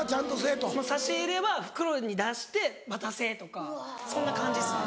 差し入れは袋出して渡せとかそんな感じですね。